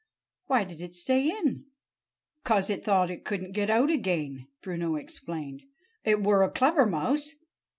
"Why did it stay in?" "'Cause it thought it couldn't get out again," Bruno explained. "It were a clever mouse.